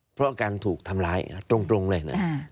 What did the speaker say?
เพราะอาการถูกทำลายตรงเลย